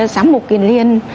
sám mục kiền liên